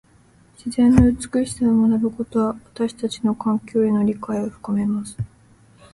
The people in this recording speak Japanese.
自然の美しさを学ぶことは、私たちの環境への理解を深めます。